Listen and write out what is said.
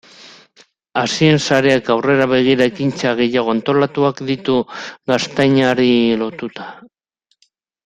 Hazien sareak aurrera begira ekintza gehiago antolatuak ditu gaztainari lotuta.